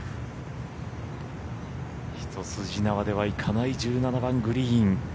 一筋縄ではいかない１７番グリーン。